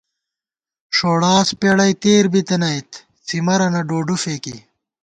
ݭوڑاس پېڑَئی تېر بِتَنَئیت، څِمَرَنہ ڈوڈُو فېکی